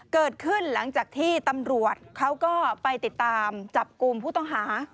เกิดขึ้นหลังจากที่ตำรวจเขาก็ไปติดตามจับกลุ่มผู้ต้องหา